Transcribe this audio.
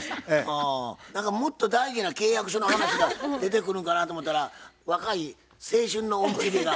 何かもっと大事な契約書の話が出てくるかなと思うたら若い青春の思い出が。